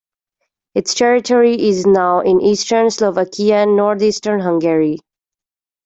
Its territory is now in eastern Slovakia and north-eastern Hungary.